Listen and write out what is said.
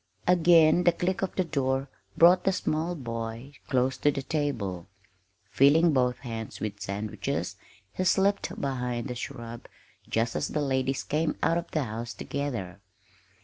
Again the click of the door brought the small boy close to the table. Filling both hands with sandwiches, he slipped behind the shrub just as the ladies came out of the house together.